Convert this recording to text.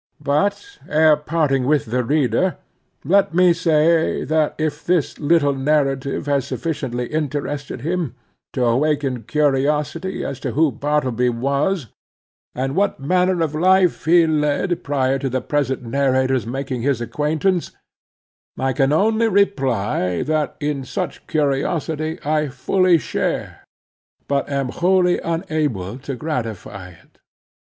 But ere parting with the reader, let me say, that if this little narrative has sufficiently interested him, to awaken curiosity as to who Bartleby was, and what manner of life he led prior to the present narrator's making his acquaintance, I can only reply, that in such curiosity I fully share, but am wholly unable to gratify it.